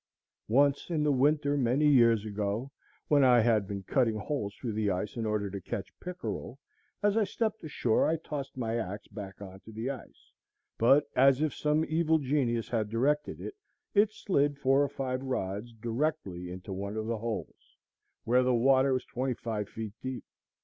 Once, in the winter, many years ago, when I had been cutting holes through the ice in order to catch pickerel, as I stepped ashore I tossed my axe back on to the ice, but, as if some evil genius had directed it, it slid four or five rods directly into one of the holes, where the water was twenty five feet deep.